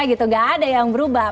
tidak ada yang berubah